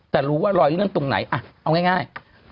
แต่รู้ว่ารอยเลื่อนตรงไหนเอาง่าย